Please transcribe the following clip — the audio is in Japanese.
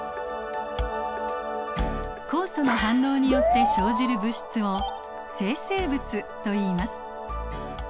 酵素の反応によって生じる物質を生成物といいます。